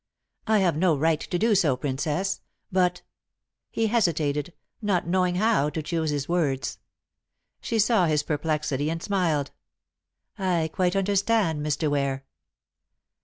"I have no right to do so, Princess, but " He hesitated, not knowing how to choose his words. She saw his perplexity and smiled. "I quite understand, Mr. Ware."